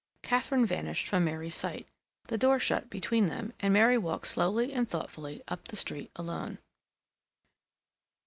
Katharine vanished from Mary's sight. The door shut between them, and Mary walked slowly and thoughtfully up the street alone.